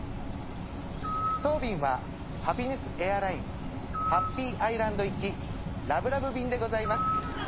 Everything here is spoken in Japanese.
当便はハピネスエアラインハッピーアイランド行きラブラブ便でございます。